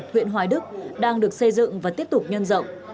huyện hoài đức đang được xây dựng và tiếp tục nhân rộng